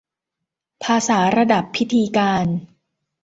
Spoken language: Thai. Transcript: ภาษาระดับพิธีการ